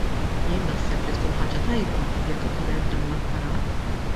Jien naħseb li tkun ħaġa tajba jekk ikun hemm dan l-apparat.